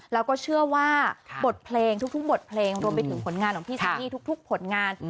แล้วก็เชื่อว่าบทเพลงทุกบทเพลงรวมไปถึงผลงานของพี่ซันนี่ทุกผลงาน